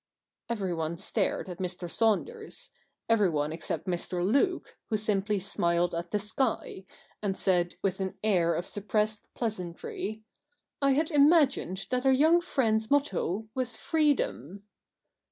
Everyone stared at Mr. Saunders, everyone except Mr. Luke, who simply smiled at the .sky, and said, with an air of suppressed pleasantry, ' I had imagined that our young friends motto \y as freedom.'